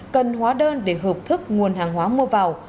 cần hóa đơn để hợp thức nguồn hàng hóa mua vào